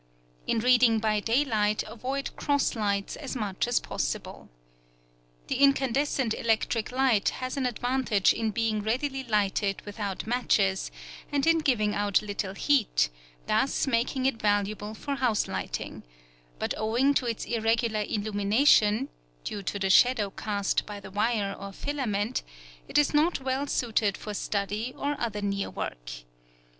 In reading by daylight avoid cross lights as much as possible. The incandescent electric light has an advantage in being readily lighted without matches, and in giving out little heat, thus making it valuable for house lighting; but owing to its irregular illumination (due to the shadow cast by the wire or filament), it is not well suited for study or other near work.